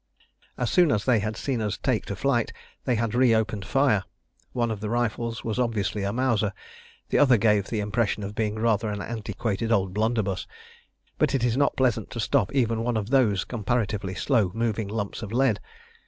As soon as they had seen us take to flight they had reopened fire. One of the rifles was obviously a Mauser, the other gave the impression of being rather an antiquated old blunderbuss; but it is not pleasant to stop even one of those comparatively slow moving lumps of lead.